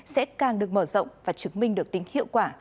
sẽ càng được mở rộng và chứng minh được tính hiệu quả